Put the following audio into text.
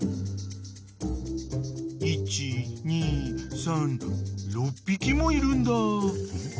［１２３６匹もいるんだ］